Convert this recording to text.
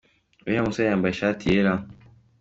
Uriya musore yambaye ishati yera.